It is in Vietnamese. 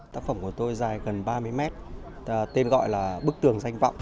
tác phẩm của tôi dài gần ba mươi mét tên gọi là bức tường danh vọng